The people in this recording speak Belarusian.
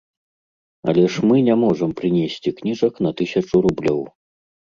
Але ж мы не можам прынесці кніжак на тысячу рублёў.